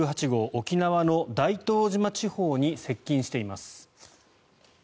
沖縄の大東島地方に接近しています。